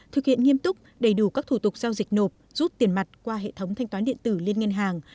thực hiện nghiêm túc đầy đủ các thủ tục giao dịch nộp rút tiền mặt qua hệ thống thanh toán điện tử liên ngân hàng